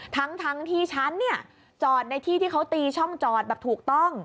ทั้งที่ฉันเนี่ยจอดในที่ที่เขาตีช่องจอดแบบถูกต้อง